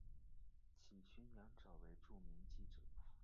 其兄羊枣为著名记者。